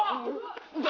lo sudah bisa berhenti